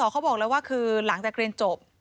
เขาบอกเลยว่าคือหลังจากเรียนจบ